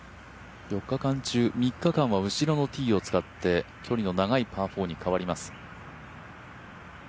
４日間中３日間は後ろのティーを使って距離の長いパー４に変わります。